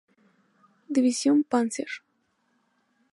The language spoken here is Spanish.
División Panzer.